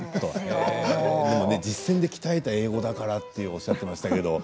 実践で鍛えた英語だからとおっしゃってましたけど